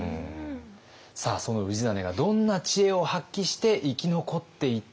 その氏真がどんな知恵を発揮して生き残っていったのか。